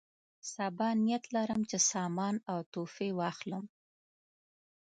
سبا نیت لرم چې سامان او تحفې واخلم.